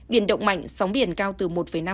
biển động mạnh sóng biển cao từ một năm